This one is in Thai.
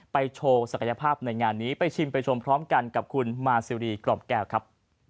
โชว์ศักยภาพในงานนี้ไปชิมไปชมพร้อมกันกับคุณมาซิรีกรอบแก้วครับ